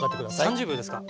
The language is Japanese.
３０秒ですか。